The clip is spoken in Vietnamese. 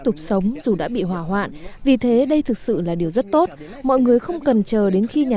tục sống dù đã bị hỏa hoạn vì thế đây thực sự là điều rất tốt mọi người không cần chờ đến khi nhà